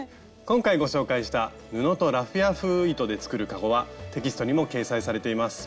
今回ご紹介した「布とラフィア風糸で作るかご」はテキストにも掲載されています。